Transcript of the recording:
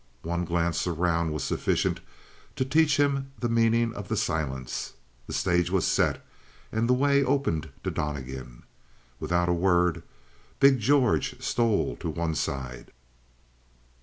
One glance around was sufficient to teach him the meaning of the silence. The stage was set, and the way opened to Donnegan. Without a word, big George stole to one side.